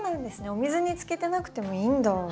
お水につけてなくてもいいんだ。